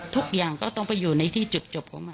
ทุกอย่างก็ต้องไปอยู่ในที่จุดจบของมัน